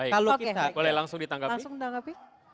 baik boleh langsung ditanggapi